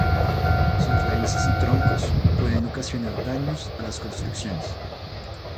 Sus raíces y troncos pueden ocasionar daños a las construcciones.